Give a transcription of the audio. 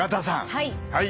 はい。